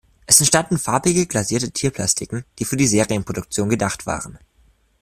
Es entstanden farbig glasierte Tierplastiken, die für die Serienproduktion gedacht waren.